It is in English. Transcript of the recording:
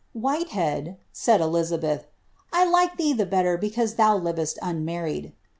^^ Whitehead," said Elizabeth, ^I like thee the better because thou livest unmarried."